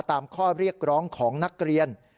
ตามข้อเรียกร้องของนักเรียน